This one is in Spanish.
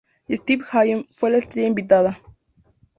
Steve Allen fue la estrella invitada.